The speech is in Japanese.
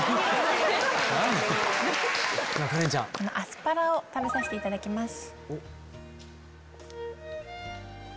アスパラを食べさせていただきます。